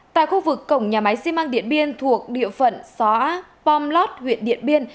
tại khu vực cổng nhà máy xi măng điện biên thuộc địa phận xã pom lót huyện điện biên